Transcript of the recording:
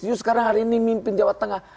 justru sekarang hari ini mimpin jawa tengah